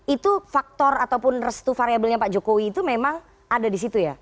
itu faktor ataupun restu variabelnya pak jokowi itu memang ada di situ ya